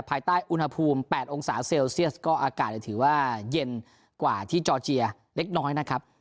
ภายใต้อุณหภูมิ๘องศาเซลเซียสก็อากาศถือว่าเย็นกว่าที่จอร์เจียเล็กน้อยนะครับ